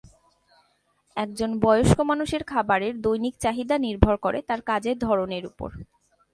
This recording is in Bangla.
একজন বয়স্ক মানুষের খাবারের দৈনিক চাহিদা নির্ভর করে তাঁর কাজের ধরনের ওপর।